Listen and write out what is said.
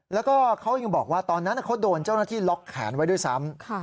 แล้วก็เขายังบอกว่าตอนนั้นเขาโดนเจ้าหน้าที่ล็อกแขนไว้ด้วยซ้ำ